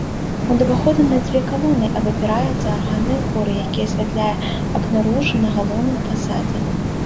Над уваходам на дзве калоны абапіраюцца арганныя хоры, якія асвятляе акно-ружа на галоўным фасадзе.